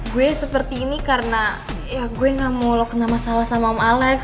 gue seperti ini karena ya gue gak mau lo kena masalah sama om alex